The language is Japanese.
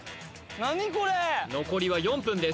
何これ残りは４分です